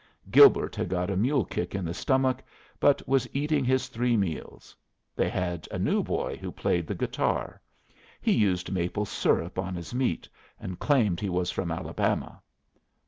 Gilbert had got a mule kick in the stomach, but was eating his three meals. They had a new boy who played the guitar. He used maple syrup an his meat, and claimed he was from Alabama.